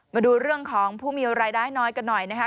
มาดูเรื่องของผู้มีรายได้น้อยกันหน่อยนะคะ